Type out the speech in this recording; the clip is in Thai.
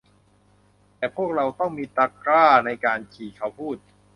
แต่พวกเราต้องมีตะกร้าในการขี่ เขาพูด